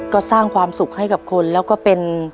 ก็สร้างความสุขให้กับคนแล้วก็เป็น